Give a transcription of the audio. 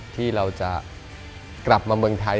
ที่เราจะกลับมาเมืองไทย